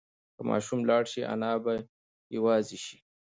که ماشوم لاړ شي انا به یوازې شي.